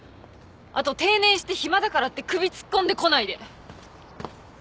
あと定年して暇だからって首突っ込んでこないで。